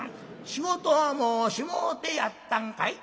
仕事はもうしもうてやったんかい？」。